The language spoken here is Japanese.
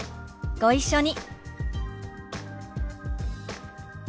ご一緒に。